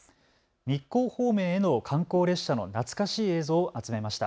日光方面への観光列車の懐かしい映像を集めました。